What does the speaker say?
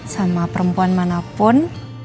sama perempuan manapun